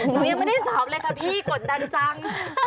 หนูยังไม่ได้สอบเลยค่ะพี่กดดันจัง